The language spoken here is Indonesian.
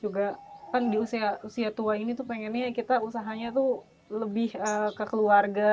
juga kan di usia usia tua ini tuh pengennya kita usahanya tuh lebih ke keluarga